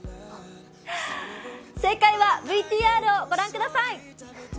正解はＶＴＲを御覧ください。